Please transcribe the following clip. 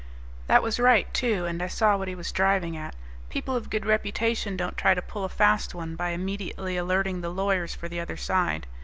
That was right, too, and I saw what he was driving at. People of good reputation don't try to pull a fast one by immediately alerting the lawyers for the other side.